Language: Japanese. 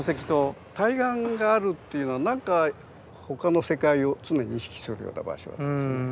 対岸があるっていうのは何か他の世界を常に意識するような場所ですよね。